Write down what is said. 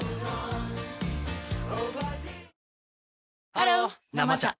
ハロー「生茶」